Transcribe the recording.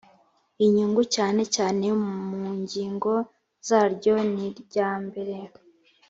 inyungu cyane cyane mu ngingo zaryo niryambere